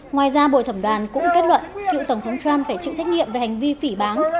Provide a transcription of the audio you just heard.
ngoài ra bồi thẩm đoàn cũng kết luận cựu tổng thống trump phải chịu trách nhiệm về hành vi phỉ bán